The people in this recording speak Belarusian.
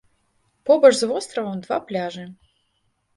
Побач з востравам два пляжы.